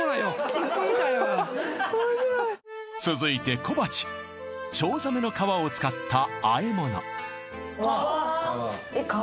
つっこみたいわ続いて小鉢チョウザメの皮を使ったあえ物皮！